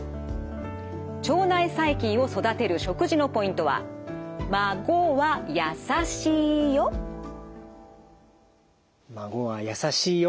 腸内細菌を育てる食事のポイントは「まごわやさしいよ」。